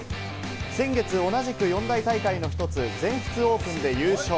先月同じく四大大会の１つ全仏オープンで優勝。